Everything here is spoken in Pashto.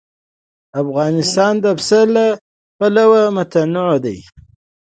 افغانستان د پسه له پلوه متنوع دی.